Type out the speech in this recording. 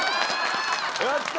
やった！